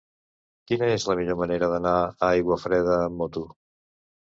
Quina és la millor manera d'anar a Aiguafreda amb moto?